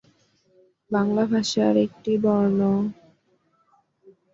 বাংলা ভাষার একটি বর্ণ।